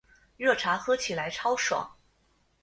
热茶喝起来超爽